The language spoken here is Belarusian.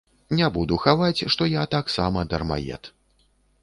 Не буду хаваць, што я таксама дармаед.